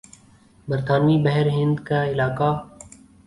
برطانوی بحر ہند کا علاقہ